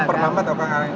memperlambat orang lain